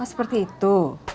oh seperti itu